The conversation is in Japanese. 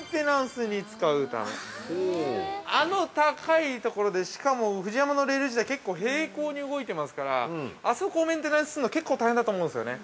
◆あの高いところでしかも、ＦＵＪＩＹＡＭＡのレール自体、結構平行に動いていますから、あそこをメンテナンスするのは結構大変だと思うんですよね。